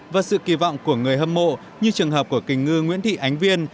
và sự kỳ vọng của người hâm mộ như trường hợp của kỳnh ngư nguyễn thị ánh viên